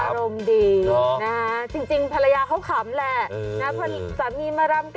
อารมณ์ดีนะจริงภรรยาเขาขำแหละ